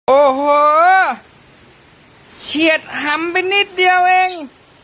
โอ้โหเฉียดหำไปนิดเดียวเอง